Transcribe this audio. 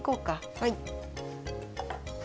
はい！